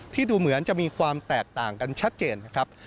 ดูเหมือนจะมีความแตกต่างกันชัดเจนนะครับ